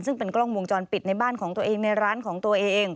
ซึ่งเป็นกล้องวงจรปิดในบ้านของตัวเองในร้านของตัวเอง